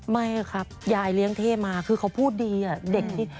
ไม่ครับยายเลี้ยงเทพมาคือเขาพูดดีเด็กที่